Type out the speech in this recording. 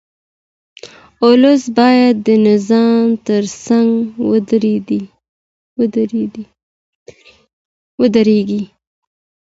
ولس باید د نظام ترڅنګ ودرېږي.